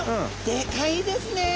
でかいですね。